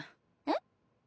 えっ？